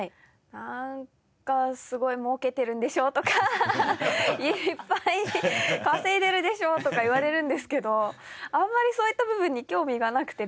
なんか「すごいもうけてるんでしょ？」とか「いっぱい稼いでるでしょ？」とか言われるんですけどあんまりそういった部分に興味がなくてですね。